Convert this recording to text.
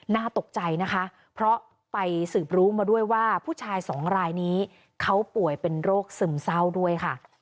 น่าตกใจนะคะเพราะไปสืบรู้มาด้วยว่าผู้ชายสองรายนี้เขาป่วยเป็นโรคซึมเศร้าด้วยค่ะ